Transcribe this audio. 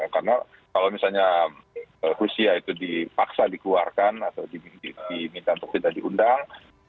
karena kalau misalnya rusia itu dipaksa dikeluarkan atau diminta untuk tidak diundang